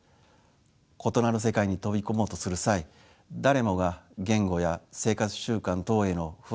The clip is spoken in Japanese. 異なる世界に飛び込もうとする際誰もが言語や生活習慣等への不安を感じることでしょう。